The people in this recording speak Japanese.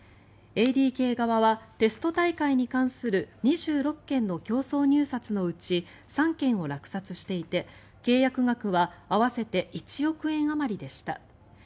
ＡＤＫ側はテスト大会に関する２６件の競争入札のうち３件を落札していて契約額は合わせて１億円あまりでした。